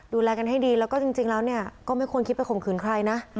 ดูแลกันให้ดีแล้วก็จริงแล้วเนี่ยก็ไม่ควรคิดไปข่มขืนใครนะ